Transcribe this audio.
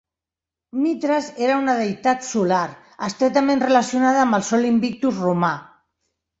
Mithras era una deïtat solar, estretament relacionada amb el Sol Invictus romà.